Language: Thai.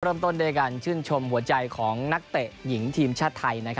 เริ่มต้นด้วยการชื่นชมหัวใจของนักเตะหญิงทีมชาติไทย